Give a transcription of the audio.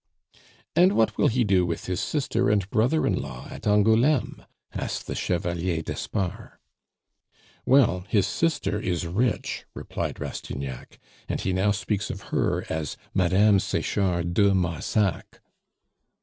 "And what will he do with his sister and brother in law at Angouleme?" asked the Chevalier d'Espard. "Well, his sister is rich," replied Rastignac, "and he now speaks of her as Madame Sechard de Marsac."